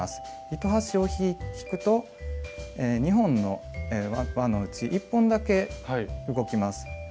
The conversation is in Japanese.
糸端を引くと２本の輪のうち１本だけ動きます。